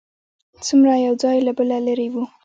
څومره یو ځای له بله لرې و.